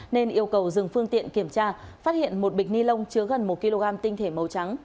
nên yêu cầu dừng phương tiện kiểm tra phát hiện một bịch ni lông chứa gần một kg tinh thể màu trắng